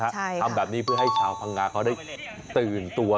ทำแบบนี้เพื่อให้ชาวพังงาเขาได้ตื่นตัว